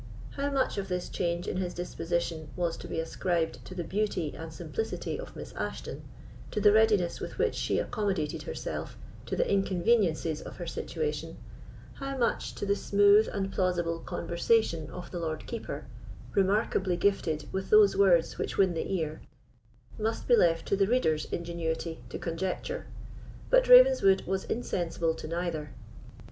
How much of this change in his disposition was to be ascribed to the beauty and simplicity of Miss Ashton, to the readiness with which she accommodated herself to the inconveniences of her situation; how much to the smooth and plausible conversation of the Lord Keeper, remarkably gifted with those words which win the ear, must be left to the reader's ingenuity to conjecture. But Ravenswood was insensible to neither.